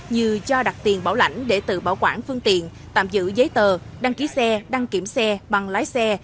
như cho đặt tiền bảo lãnh để tự bảo quản phương tiện tạm giữ giấy tờ đăng ký xe đăng kiểm xe bằng lái xe